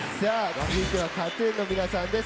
続いてはＫＡＴ‐ＴＵＮの皆さんです。